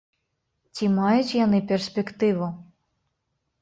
Ці маюць яны перспектыву?